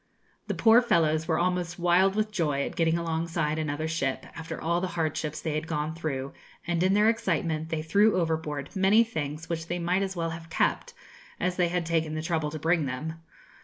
The poor fellows were almost wild with joy at getting alongside another ship, after all the hardships they had gone through, and in their excitement they threw overboard many things which they might as well have kept, as they had taken the trouble to bring them.